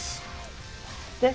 で？